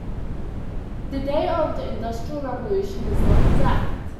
The date of the Industrial Revolution is not exact.